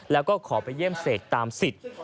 แล้วก็ขอไปเยี่ยมเสกตามสิทธิ์